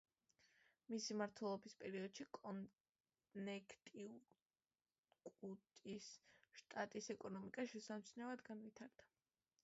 მისი მმართველობის პერიოდში კონექტიკუტის შტატის ეკონომიკა შესამჩნევად განვითარდა.